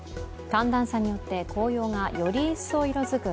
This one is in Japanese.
寒暖差によって紅葉がより一層色づく